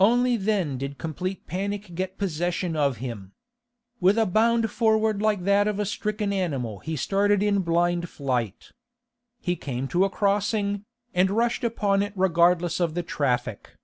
Only then did complete panic get possession of him. With a bound forward like that of a stricken animal, he started in blind flight. He came to a crossing, and rushed upon it regardless of the traffic.